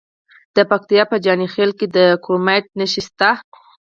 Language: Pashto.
د پکتیکا په جاني خیل کې د کرومایټ نښې شته.